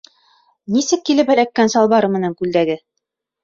Нисек килеп эләккән салбары менән күлдәге?